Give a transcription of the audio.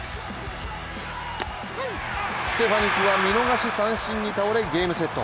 ステファニックは見逃し三振に倒れ、ゲームセット。